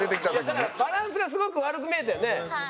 だからバランスがすごく悪く見えたよね。